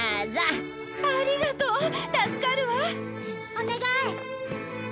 お願い！